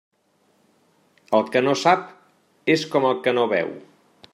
El que no sap, és com el que no veu.